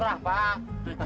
ikan murah pak